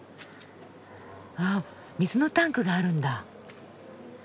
あっ水のタンクがあるんだ。